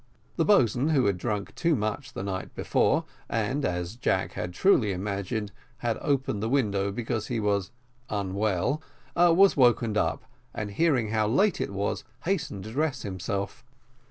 The boatswain, who had drunk too much the night before, and, as Jack had truly imagined, had opened the window because he was unwell, was wakened up, and, hearing how late it was, hastened to dress himself.